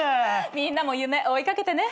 みんなも夢追い掛けてね。